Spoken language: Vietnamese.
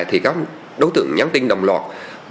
thì các đối tượng nhắn tin đồng loạt